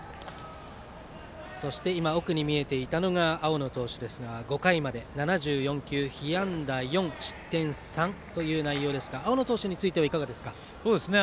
そして、青野投手は５回まで７４球被安打４失点３という内容ですが青野投手についてはいかがですか？